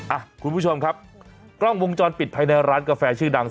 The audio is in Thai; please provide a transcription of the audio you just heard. อ่ะคุณผู้ชมครับกล้องวงจรปิดภายในร้านกาแฟชื่อดัง